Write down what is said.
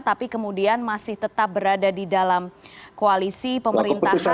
tapi kemudian masih tetap berada di dalam koalisi pemerintahan